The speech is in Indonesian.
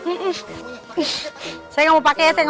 jangan peduli kita berani ya